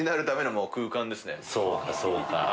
そうかそうか。